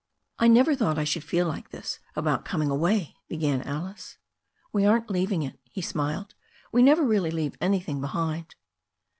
"I never thought I should feel like this about coming away," began Alice. "We are not leaving it," he smiled. "We never really leave anything behind."